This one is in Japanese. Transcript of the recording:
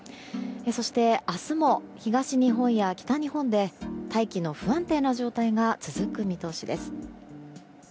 そして明日も東日本や北日本で大気の不安定な状態が続く見通しです。